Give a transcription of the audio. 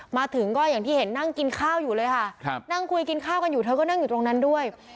มาถึงก็อย่างที่เห็นนั่งกินข้าวอยู่เลยค่ะนั่งคุยกินข้าวกันอยู่เธอก็นั่งอยู่ตรงนั้นด้วย